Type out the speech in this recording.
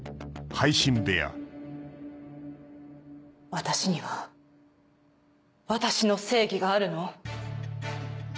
私には私の正義があるの。